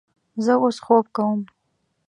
زه اوس خوب کوم